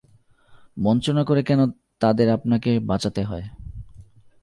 বঞ্চনা করে কেন তাদের আপনাকে বাঁচাতে হয়?